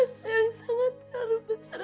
saya sangat terbesar